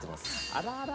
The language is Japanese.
あららら。